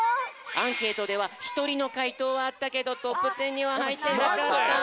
アンケートではひとりのかいとうはあったけどトップテンにははいってなかった。